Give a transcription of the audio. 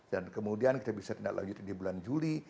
dan kemudian kita bisa tindak lanjut di bulan juni